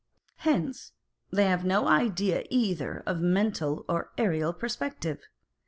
Hence they have no idea either of mental or aerial perspective.